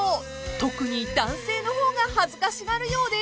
［特に男性の方が恥ずかしがるようです］